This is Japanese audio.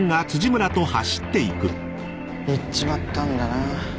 行っちまったんだな。